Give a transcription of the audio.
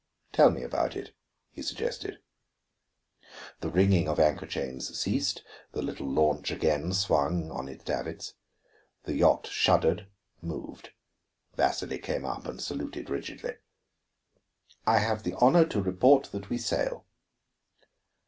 "Tell me about it," he suggested. The ringing of anchor chains ceased, the little launch again swung in its davits. The yacht shuddered, moved. Vasili came up and saluted rigidly. "I have the honor to report that we sail."